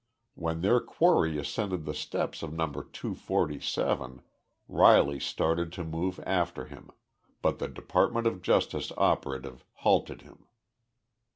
When their quarry ascended the steps of No. 247 Riley started to move after him, but the Department of Justice operative halted him.